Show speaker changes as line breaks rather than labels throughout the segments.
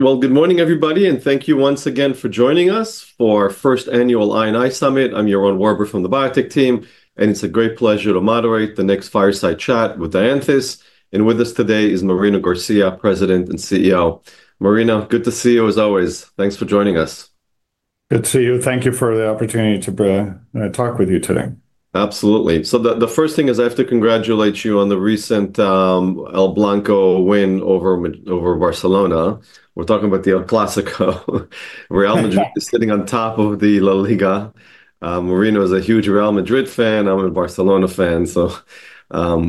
Good morning, everybody, and thank you once again for joining us for our first annual I&I Summit. I'm Jeroen Warburg from the Biotech Team, and it's a great pleasure to moderate the next Fireside Chat with Dianthus. With us today is Marino Garcia, President and CEO. Marino, good to see you as always. Thanks for joining us.
Good to see you. Thank you for the opportunity to talk with you today.
Absolutely. The first thing is I have to congratulate you on the recent El Clásico win over Barcelona. We're talking about the El Clásico. Real Madrid is sitting on top of La Liga. Marino is a huge Real Madrid fan. I'm a Barcelona fan.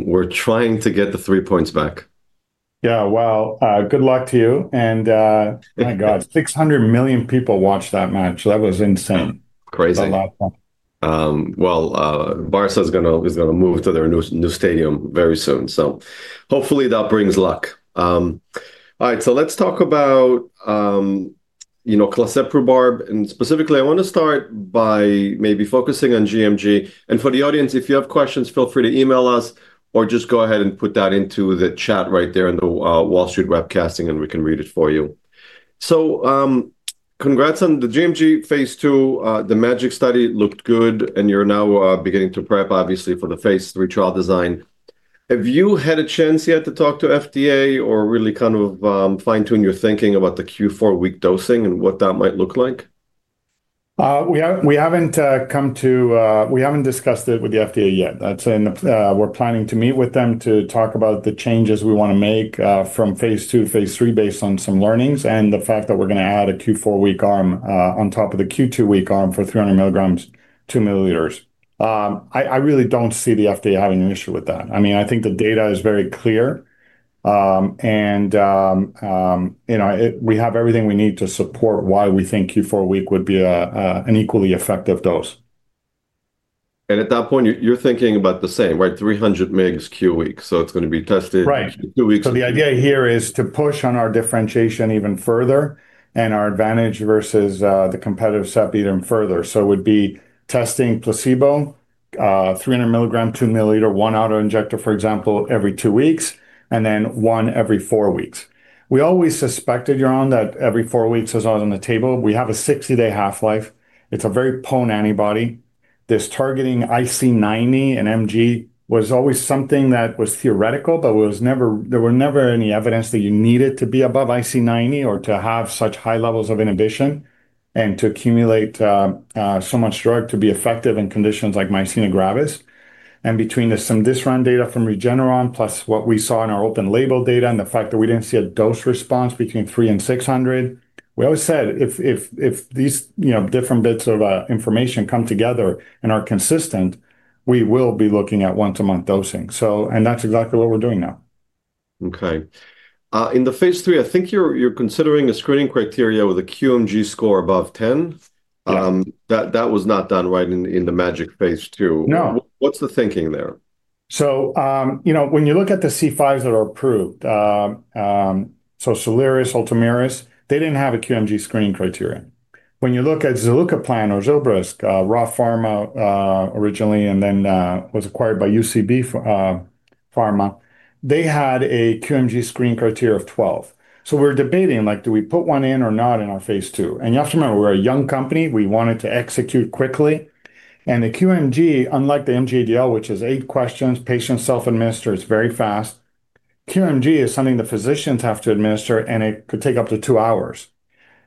We're trying to get the three points back.
Yeah, good luck to you. My God, 600 million people watched that match. That was insane.
Crazy. Barça is going to move to their new stadium very soon. Hopefully that brings luck. All right, let's talk about claseprubart. Specifically, I want to start by maybe focusing on gMG. For the audience, if you have questions, feel free to email us or just go ahead and put that into the chat right there in the Wall Street webcasting, and we can read it for you. Congrats on the gMG phase 2. The MAGIC study looked good, and you're now beginning to prep, obviously, for the phase 3 trial design. Have you had a chance yet to talk to FDA or really kind of fine-tune your thinking about the Q4 week dosing and what that might look like?
We haven't come to we haven't discussed it with the FDA yet. We're planning to meet with them to talk about the changes we want to make from phase 2 to phase 3 based on some learnings and the fact that we're going to add a Q4 week arm on top of the Q2 week arm for 300 mg, 2 mm. I really don't see the FDA having an issue with that. I mean, I think the data is very clear. And we have everything we need to support why we think Q4 week would be an equally effective dose.
At that point, you're thinking about the same, right? 300 mg Q week. It's going to be tested two weeks before.
Right. The idea here is to push on our differentiation even further and our advantage versus the competitive set even further. It would be testing placebo, 300 mg, 2 mm, one autoinjector, for example, every two weeks, and then one every four weeks. We always suspected, Jeroen, that every four weeks is on the table. We have a 60-day half-life. It is a very potent antibody. This targeting IC90 and MG was always something that was theoretical, but there was never any evidence that you needed to be above IC90 or to have such high levels of inhibition and to accumulate so much drug to be effective in conditions like myasthenia gravis. Between the some disround data from Regeneron plus what we saw in our open label data and the fact that we did not see a dose response between 300 and 600, we always said if these different bits of information come together and are consistent, we will be looking at once-a-month dosing. That is exactly what we are doing now.
Okay. In the phase 3, I think you're considering a screening criteria with a QMG score above 10. That was not done right in the MAGIC phase 2. What's the thinking there?
When you look at the C5s that are approved, Soliris, Ultomiris, they didn't have a QMG screening criteria. When you look at zilucoplan or Zilbrysq, RA Pharma originally and then was acquired by UCB Pharma, they had a QMG screening criteria of 12. We're debating, like, do we put one in or not in our phase 2? You have to remember, we're a young company. We wanted to execute quickly. The QMG, unlike the MG-ADL, which is eight questions, patients self-administer, it's very fast. QMG is something the physicians have to administer, and it could take up to two hours.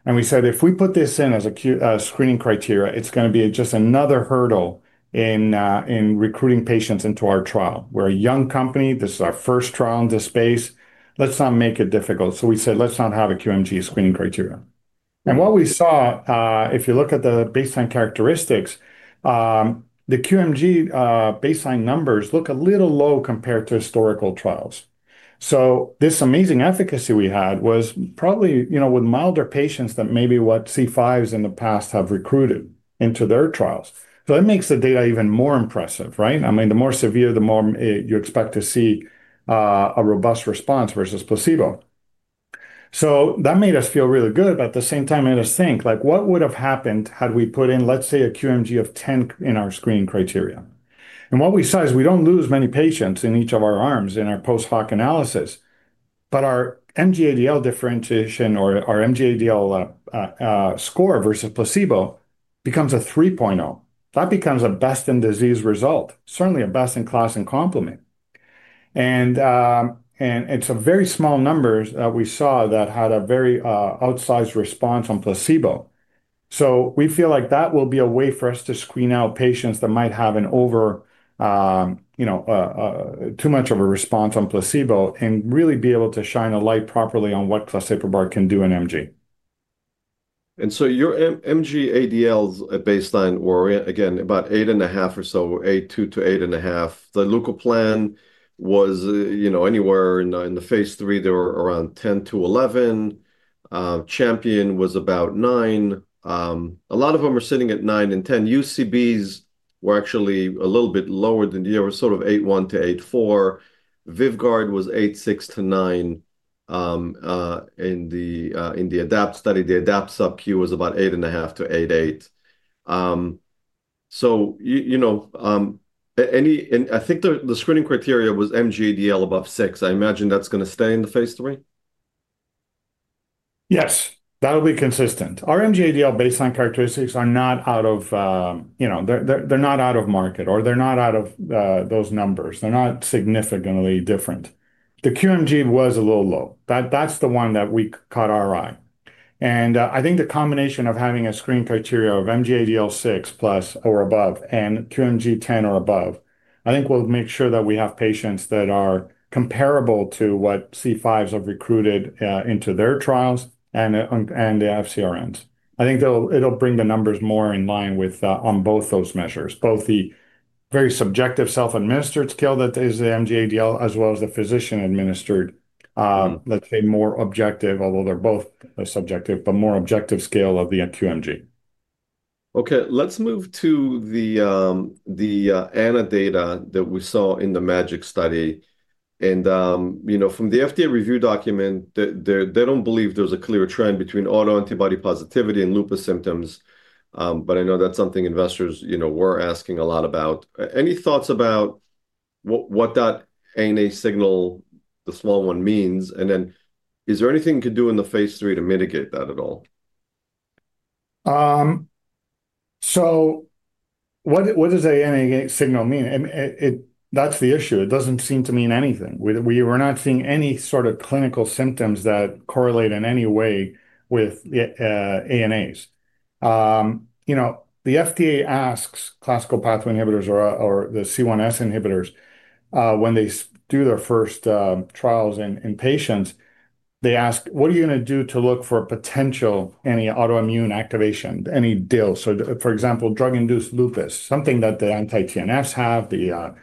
We said, if we put this in as a screening criteria, it's going to be just another hurdle in recruiting patients into our trial. We're a young company. This is our first trial in this space. Let's not make it difficult. We said, let's not have a QMG screening criteria. What we saw, if you look at the baseline characteristics, the QMG baseline numbers look a little low compared to historical trials. This amazing efficacy we had was probably with milder patients than maybe what C5s in the past have recruited into their trials. That makes the data even more impressive, right? I mean, the more severe, the more you expect to see a robust response versus placebo. That made us feel really good. At the same time, it made us think, like, what would have happened had we put in, let's say, a QMG of 10 in our screening criteria? What we saw is we don't lose many patients in each of our arms in our post-hoc analysis. Our MG-ADL differentiation or our MG-ADL score versus placebo becomes a 3.0. That becomes a best-in-disease result, certainly a best-in-class in complement. It is a very small number that we saw that had a very outsized response on placebo. We feel like that will be a way for us to screen out patients that might have an over, too much of a response on placebo and really be able to shine a light properly on what claseprubart can do in MG.
Your MG-ADL's baseline were, again, about eight and a half or so, eight, two to eight and a half. Zilucoplan was anywhere in the phase 3, they were around 10-11. Champion was about 9. A lot of them are sitting at 9 and 10. UCB's were actually a little bit lower than the other one, sort of 8.1-8.4. Vyvgart was 8.6-9. In the ADAPT study, the ADAPT sub-Q was about 8.5-8.8. I think the screening criteria was MG-ADL above 6. I imagine that's going to stay in the phase 3?
Yes, that'll be consistent. Our MG-ADL baseline characteristics are not out of, they're not out of market or they're not out of those numbers. They're not significantly different. The QMG was a little low. That's the one that caught our eye. I think the combination of having a screening criteria of MG-ADL 6 plus or above and QMG 10 or above, I think will make sure that we have patients that are comparable to what C5s have recruited into their trials and the FCRNs. I think it'll bring the numbers more in line on both those measures, both the very subjective self-administered scale that is the MG-ADL as well as the physician-administered, let's say, more objective, although they're both subjective, but more objective scale of the QMG.
Okay, let's move to the ANA data that we saw in the MAGIC study. From the FDA review document, they don't believe there's a clear trend between autoantibody positivity and lupus symptoms. I know that's something investors were asking a lot about. Any thoughts about what that ANA signal, the small one, means? Is there anything you can do in the phase 3 to mitigate that at all?
What does the ANA signal mean? That's the issue. It doesn't seem to mean anything. We were not seeing any sort of clinical symptoms that correlate in any way with ANAs. The FDA asks classical pathway inhibitors or the C1s inhibitors, when they do their first trials in patients, they ask, what are you going to do to look for potential any autoimmune activation, any DIL? For example, drug-induced lupus, something that the anti-TNFs have, the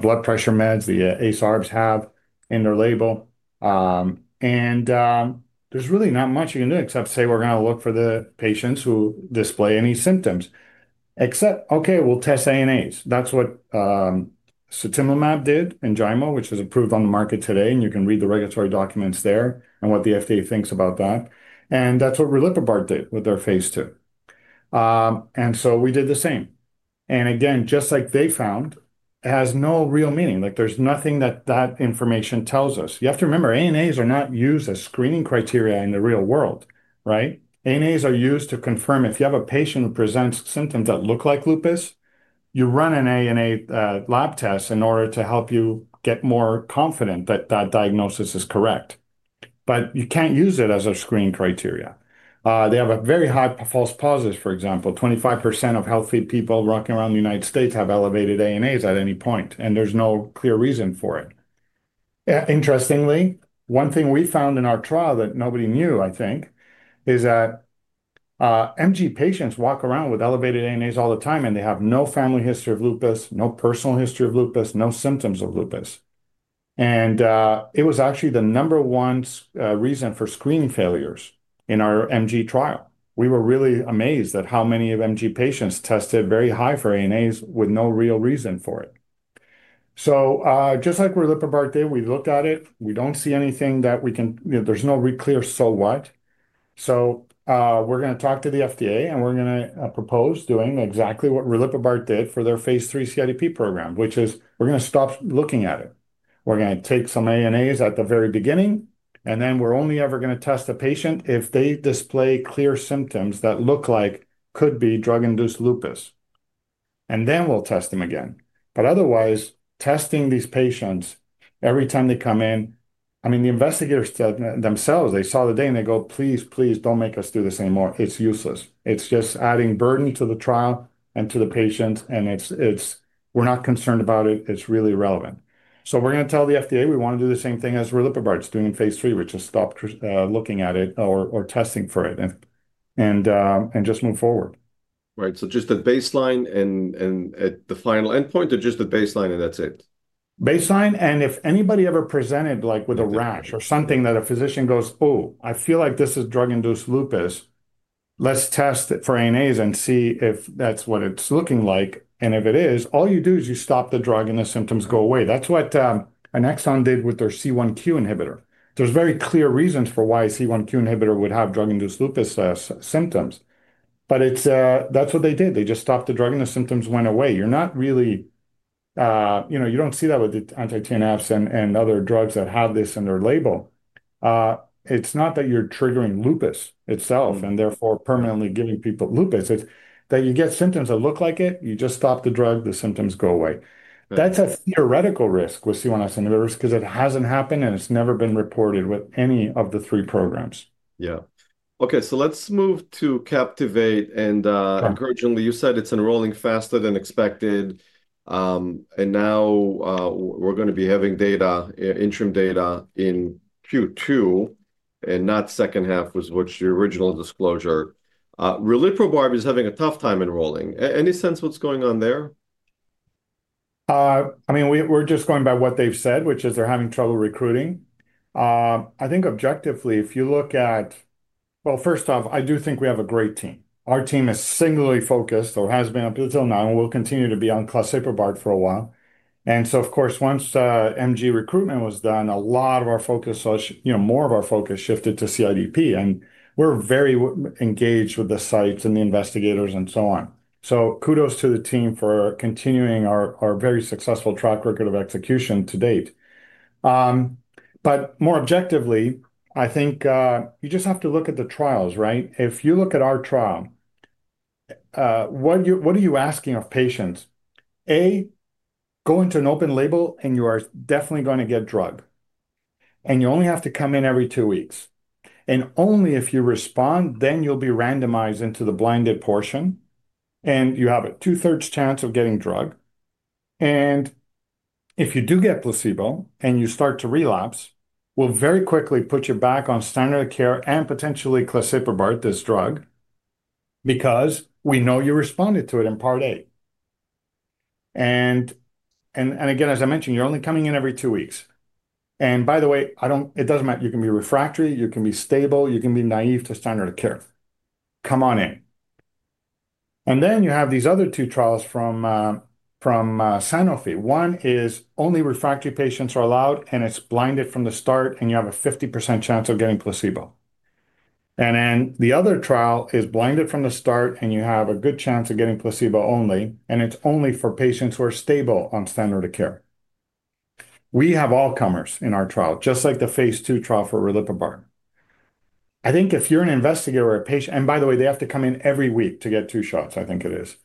blood pressure meds, the ARBs have in their label. There's really not much you can do except, say, we're going to look for the patients who display any symptoms. Except, okay, we'll test ANAs. That's what sutimlimab did, Enjaymo, which is approved on the market today. You can read the regulatory documents there and what the FDA thinks about that. That's what claseprubart did with their phase 2. We did the same. Again, just like they found, it has no real meaning. There is nothing that that information tells us. You have to remember, ANAs are not used as screening criteria in the real world, right? ANAs are used to confirm if you have a patient who presents symptoms that look like lupus, you run an ANA lab test in order to help you get more confident that that diagnosis is correct. You cannot use it as a screening criteria. They have a very high false positive, for example, 25% of healthy people walking around the United States have elevated ANAs at any point, and there is no clear reason for it. Interestingly, one thing we found in our trial that nobody knew, I think, is that MG patients walk around with elevated ANAs all the time, and they have no family history of lupus, no personal history of lupus, no symptoms of lupus. It was actually the number one reason for screening failures in our MG trial. We were really amazed at how many of MG patients tested very high for ANAs with no real reason for it. Just like rilzabrutinib did, we looked at it. We do not see anything that we can, there is no clear so what. We are going to talk to the FDA, and we are going to propose doing exactly what rilzabrutinib did for their phase 3 CIDP program, which is we are going to stop looking at it. We're going to take some ANAs at the very beginning, and then we're only ever going to test a patient if they display clear symptoms that look like could be drug-induced lupus. Then we'll test them again. Otherwise, testing these patients every time they come in, I mean, the investigators themselves, they saw the data and they go, please, please don't make us do this anymore. It's useless. It's just adding burden to the trial and to the patients. We're not concerned about it. It's really irrelevant. We're going to tell the FDA we want to do the same thing as claseprubart's doing in phase 3, which is stop looking at it or testing for it and just move forward.
Right. So just the baseline and at the final endpoint, or just the baseline and that's it?
Baseline. If anybody ever presented with a rash or something that a physician goes, oh, I feel like this is drug-induced lupus, let's test for ANAs and see if that's what it's looking like. If it is, all you do is you stop the drug and the symptoms go away. That's what Anexon did with their C1q inhibitor. There are very clear reasons for why a C1q inhibitor would have drug-induced lupus symptoms. That's what they did. They just stopped the drug and the symptoms went away. You do not really, you do not see that with the anti-TNFs and other drugs that have this in their label. It is not that you are triggering lupus itself and therefore permanently giving people lupus. It is that you get symptoms that look like it. You just stop the drug, the symptoms go away. That's a theoretical risk with C1s inhibitors because it hasn't happened and it's never been reported with any of the three programs.
Yeah. Okay, so let's move to Captivate. Encouragingly, you said it's enrolling faster than expected. Now we're going to be having interim data in Q2 and not second half, which was your original disclosure. Rileprabard is having a tough time enrolling. Any sense what's going on there?
I mean, we're just going by what they've said, which is they're having trouble recruiting. I think objectively, if you look at, well, first off, I do think we have a great team. Our team is singularly focused or has been up until now and will continue to be on claseprubart for a while. Of course, once MG recruitment was done, a lot of our focus, more of our focus shifted to CIDP. We're very engaged with the sites and the investigators and so on. Kudos to the team for continuing our very successful track record of execution to date. More objectively, I think you just have to look at the trials, right? If you look at our trial, what are you asking of patients? A, go into an open label and you are definitely going to get drug. You only have to come in every two weeks. Only if you respond, then you'll be randomized into the blinded portion. You have a 2/3 chance of getting drug. If you do get placebo and you start to relapse, we'll very quickly put you back on standard of care and potentially claseprubart, this drug, because we know you responded to it in part A. As I mentioned, you're only coming in every two weeks. By the way, it doesn't matter. You can be refractory, you can be stable, you can be naive to standard of care. Come on in. You have these other two trials from Sanofi. One is only refractory patients are allowed and it's blinded from the start and you have a 50% chance of getting placebo. The other trial is blinded from the start and you have a good chance of getting placebo only. It is only for patients who are stable on standard of care. We have all comers in our trial, just like the phase 2 trial for claseprubart. I think if you're an investigator or a patient, and by the way, they have to come in every week to get two shots, I think it is.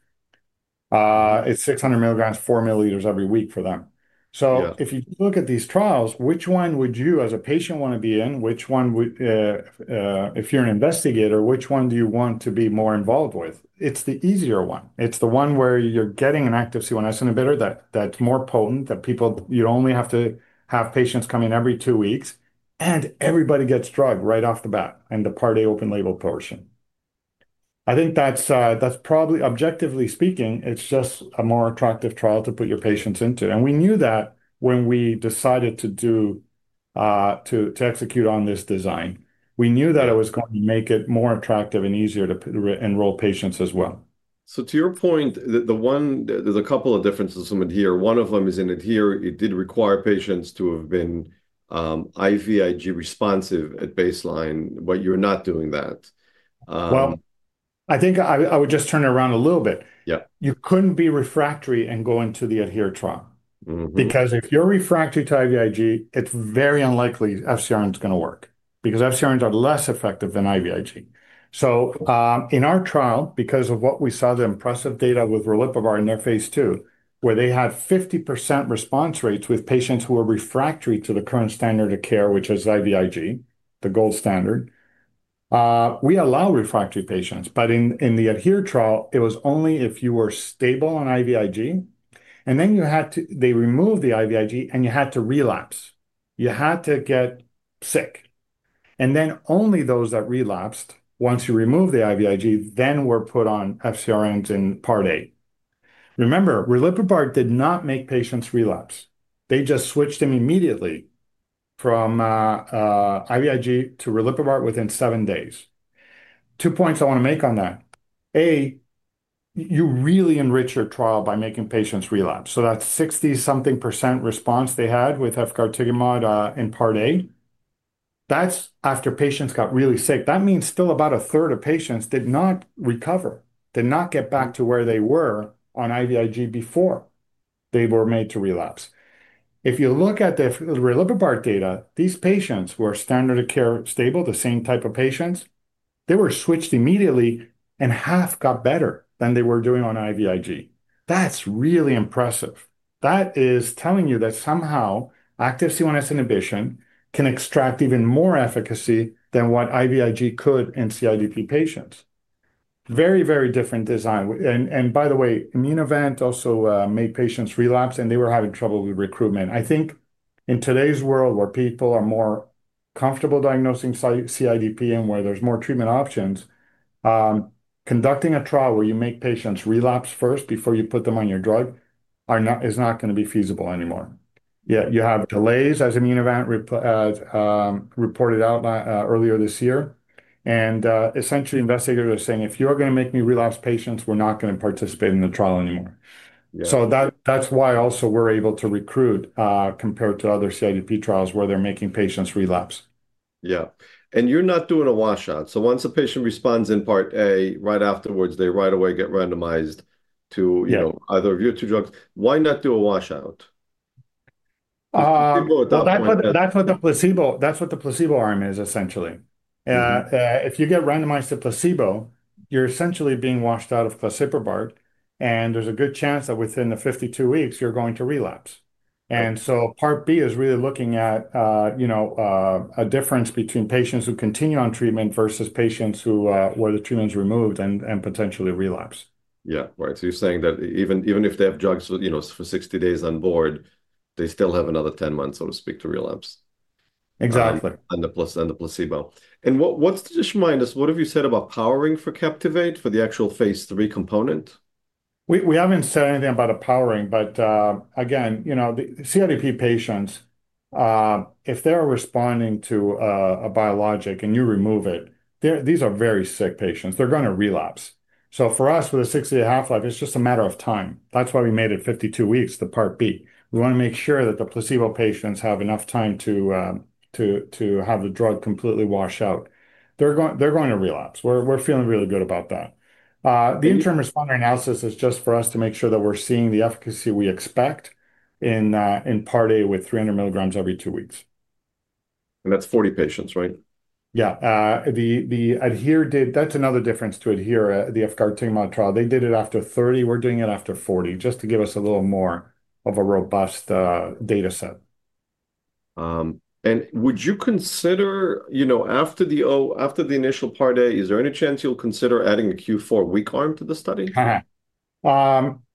It's 600 mg, 4 mm every week for them. If you look at these trials, which one would you as a patient want to be in? Which one, if you're an investigator, do you want to be more involved with? It's the easier one. It's the one where you're getting an active C1s inhibitor that's more potent that people, you only have to have patients come in every two weeks and everybody gets drug right off the bat in the part A open-label portion. I think that's probably, objectively speaking, it's just a more attractive trial to put your patients into. We knew that when we decided to execute on this design, we knew that it was going to make it more attractive and easier to enroll patients as well.
To your point, there's a couple of differences from ADHERE. One of them is in ADHERE, it did require patients to have been IVIG responsive at baseline, but you're not doing that.
I think I would just turn it around a little bit. You couldn't be refractory and go into the ADHERE trial. Because if you're refractory to IVIG, it's very unlikely FCRNs are going to work because FCRNs are less effective than IVIG. In our trial, because of what we saw, the impressive data with claseprubart in their phase 2, where they had 50% response rates with patients who were refractory to the current standard of care, which is IVIG, the gold standard, we allow refractory patients. In the ADHERE trial, it was only if you were stable on IVIG. They removed the IVIG and you had to relapse. You had to get sick. Only those that relapsed, once you remove the IVIG, then were put on FCRNs in part A. Remember, claseprubart did not make patients relapse. They just switched them immediately from IVIG to claseprubart within seven days. Two points I want to make on that. A, you really enrich your trial by making patients relapse. So that 60-something percent response they had with efgartigimod in part A, that's after patients got really sick. That means still about a third of patients did not recover, did not get back to where they were on IVIG before they were made to relapse. If you look at the claseprubart data, these patients were standard of care stable, the same type of patients. They were switched immediately and half got better than they were doing on IVIG. That's really impressive. That is telling you that somehow active C1s inhibition can extract even more efficacy than what IVIG could in CIDP patients. Very, very different design. By the way, Immunovant also made patients relapse and they were having trouble with recruitment. I think in today's world where people are more comfortable diagnosing CIDP and where there are more treatment options, conducting a trial where you make patients relapse first before you put them on your drug is not going to be feasible anymore. You have delays as Immunovant reported out earlier this year. Essentially, investigators are saying, if you are going to make me relapse patients, we are not going to participate in the trial anymore. That is why also we are able to recruit compared to other CIDP trials where they are making patients relapse.
Yeah. You are not doing a washout. Once a patient responds in part A, right afterwards, they right away get randomized to either of your two drugs. Why not do a washout?
That's what the placebo arm is essentially. If you get randomized to placebo, you're essentially being washed out of claseprubart. And there's a good chance that within the 52 weeks, you're going to relapse. Part B is really looking at a difference between patients who continue on treatment versus patients where the treatment is removed and potentially relapse.
Yeah, right. So you're saying that even if they have drugs for 60 days on board, they still have another 10 months, so to speak, to relapse.
Exactly.
The placebo. And just remind us, what have you said about powering for Captivate for the actual phase 3 component?
We haven't said anything about the powering, but again, CIDP patients, if they're responding to a biologic and you remove it, these are very sick patients. They're going to relapse. For us with a 60-day half-life, it's just a matter of time. That's why we made it 52 weeks, the part B. We want to make sure that the placebo patients have enough time to have the drug completely wash out. They're going to relapse. We're feeling really good about that. The interim responder analysis is just for us to make sure that we're seeing the efficacy we expect in part A with 300 mg every two weeks.
That's 40 patients, right?
Yeah. That's another difference to ADHERE to the efgartigimod trial. They did it after 30. We're doing it after 40 just to give us a little more of a robust data set.
Would you consider after the initial part A, is there any chance you'll consider adding a Q4 week arm to the study?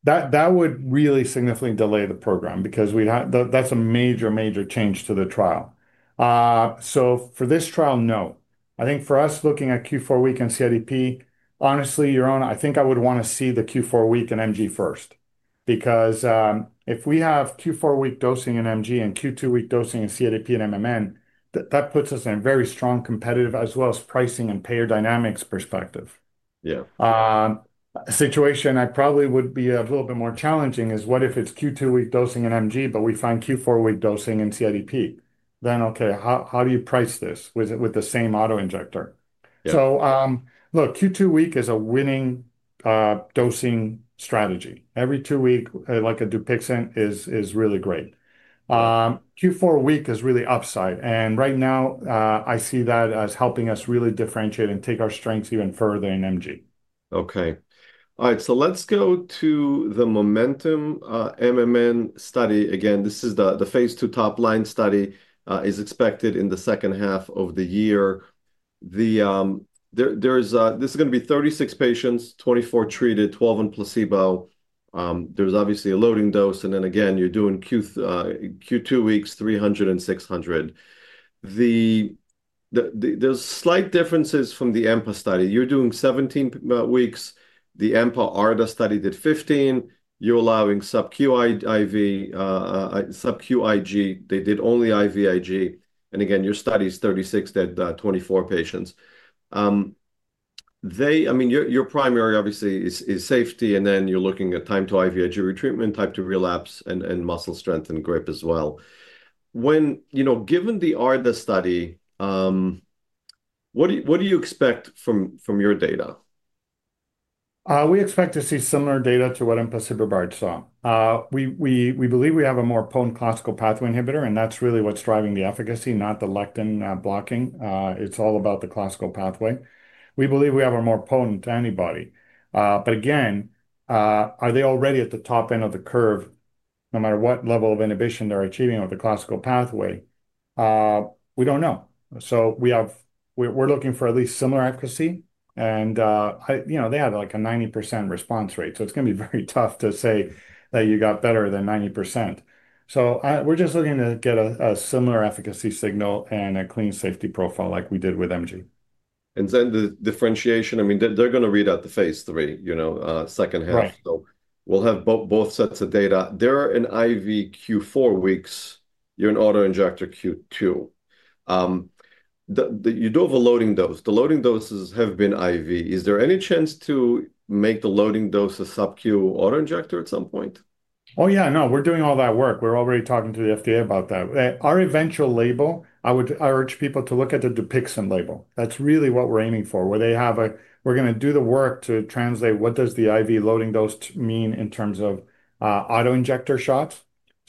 That would really significantly delay the program because that's a major, major change to the trial. For this trial, no. I think for us looking at Q4 week in CIDP, honestly, Jeroen, I think I would want to see the Q4 week in MG first. Because if we have Q4 week dosing in MG and Q2 week dosing in CIDP and MMN, that puts us in a very strong competitive as well as pricing and payer dynamics perspective.
Yeah.
A situation I probably would be a little bit more challenging is what if it's Q2 week dosing in MG, but we find Q4 week dosing in CIDP? Okay, how do you price this with the same auto injector? Look, Q2 week is a winning dosing strategy. Every two weeks, like a Dupixent, is really great. Q4 week is really upside. Right now, I see that as helping us really differentiate and take our strengths even further in MG.
Okay. All right. Let's go to the Momentum MMN study. Again, this is the phase 2 top line study expected in the second half of the year. This is going to be 36 patients, 24 treated, 12 on placebo. There's obviously a loading dose. Again, you're doing Q2 weeks, 300 and 600. There are slight differences from the AMPA study. You're doing 17 weeks. The AMPA ARDA study did 15. You're allowing sub-QIG. They did only IVIG. Again, your study is 36, 24 patients. I mean, your primary obviously is safety. Then you're looking at time to IVIG retreatment, time to relapse, and muscle strength and grip as well. Given the ARDA study, what do you expect from your data?
We expect to see similar data to what Enjaymo saw. We believe we have a more potent classical pathway inhibitor. That's really what's driving the efficacy, not the lectin blocking. It's all about the classical pathway. We believe we have a more potent antibody. Again, are they already at the top end of the curve, no matter what level of inhibition they're achieving with the classical pathway? We don't know. We are looking for at least similar efficacy. They had like a 90% response rate. It's going to be very tough to say that you got better than 90%. We are just looking to get a similar efficacy signal and a clean safety profile like we did with MG.
Then the differentiation, I mean, they're going to read out the phase 3, second half. We'll have both sets of data. They're in IV Q4 weeks. You're an auto injector Q2. You do have a loading dose. The loading doses have been IV. Is there any chance to make the loading dose a sub-Q auto injector at some point?
Oh, yeah. No, we're doing all that work. We're already talking to the FDA about that. Our eventual label, I would urge people to look at the Dupixent label. That's really what we're aiming for, where they have a, we're going to do the work to translate what does the IV loading dose mean in terms of auto injector shots.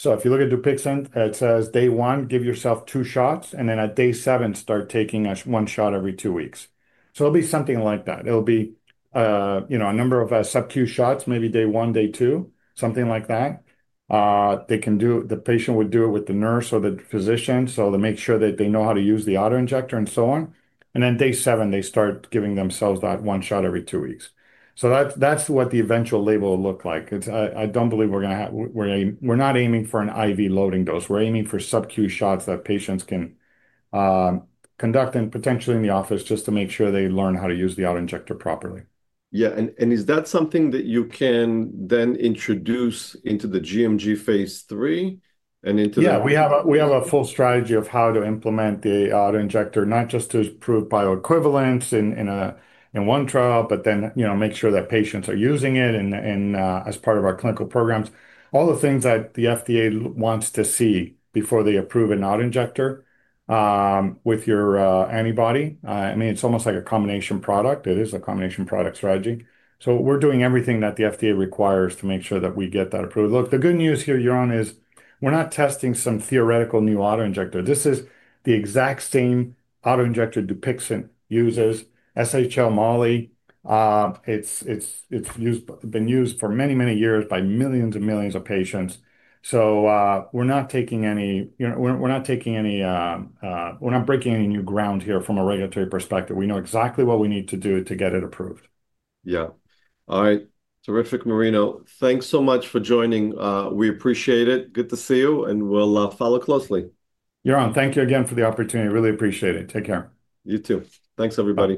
If you look at Dupixent, it says day one, give yourself two shots, and then at day seven, start taking one shot every two weeks. It will be something like that. It will be a number of sub-Q shots, maybe day one, day two, something like that. The patient would do it with the nurse or the physician to make sure that they know how to use the auto injector and so on. Then day seven, they start giving themselves that one shot every two weeks. That's what the eventual label will look like. I don't believe we're going to have, we're not aiming for an IV loading dose. We're aiming for sub-Q shots that patients can conduct and potentially in the office just to make sure they learn how to use the auto injector properly.
Yeah. Is that something that you can then introduce into the gMG phase 3?
Yeah, we have a full strategy of how to implement the auto injector, not just to prove bioequivalence in one trial, but then make sure that patients are using it as part of our clinical programs. All the things that the FDA wants to see before they approve an auto injector with your antibody. I mean, it's almost like a combination product. It is a combination product strategy. So we're doing everything that the FDA requires to make sure that we get that approved. Look, the good news here, Jeroen, is we're not testing some theoretical new auto injector. This is the exact same auto injector Dupixent uses, SHL Molly. It's been used for many, many years by millions and millions of patients. We're not taking any, we're not breaking any new ground here from a regulatory perspective. We know exactly what we need to do to get it approved.
Yeah. All right. Terrific, Marino. Thanks so much for joining. We appreciate it. Good to see you. We will follow closely.
Jeroen, thank you again for the opportunity. Really appreciate it. Take care.
You too. Thanks, everybody.